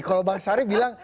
kalau bang sarif bilang